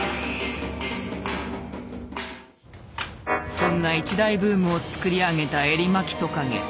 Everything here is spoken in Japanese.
そんな一大ブームを作り上げたエリマキトカゲ。